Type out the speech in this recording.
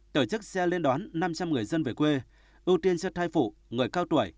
tổ chức sẽ lên đoán năm trăm linh người dân về quê ưu tiên cho thai phụ người cao tuổi